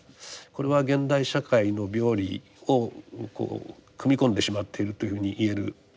これは現代社会の病理をこう組み込んでしまっているというふうに言えるかもしれません。